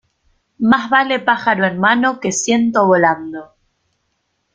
Más vale pájaro en mano que ciento volando.